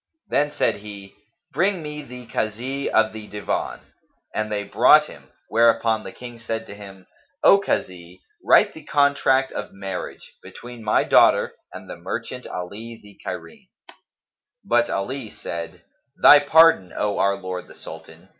Then said he, "Bring me the Kazi of the Divan" and they brought him; whereupon the King said to him, "O Kazi, write the contract of marriage between my daughter and the merchant Ali the Cairene." But Ali said, "Thy pardon, O our lord the Sultan!